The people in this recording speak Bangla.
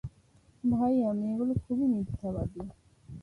ভাইয়া, মেয়েগুলো খুবই মিথ্যাবাদী!